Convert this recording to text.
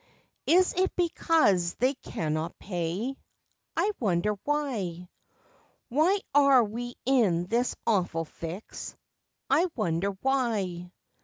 Is it because they cannot pay? I wonder why! Why are we in this awful fix ? I wonder why!